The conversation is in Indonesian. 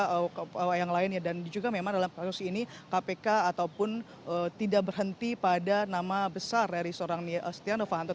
atau yang lainnya dan juga memang dalam kasus ini kpk ataupun tidak berhenti pada nama besar dari seorang setia novanto